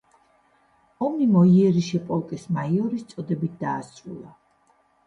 ომი მოიერიშე პოლკის მაიორის წოდებით დაასრულა.